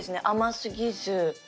甘すぎず。